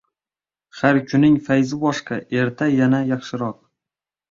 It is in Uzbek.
Har kunning fayzi boshqa, erta yana yaxshiroq